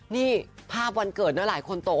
นี่ภาพวันเกิดเนี่ยหลายคนโต